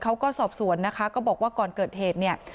เขาก็สอบสวนนะคะก็บอกว่าก่อนเกิดเหตุเนี่ย